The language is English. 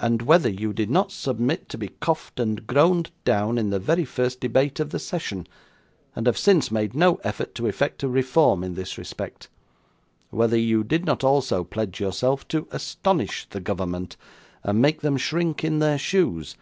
And whether you did not submit to be coughed and groaned down in the very first debate of the session, and have since made no effort to effect a reform in this respect? Whether you did not also pledge yourself to astonish the government, and make them shrink in their shoes?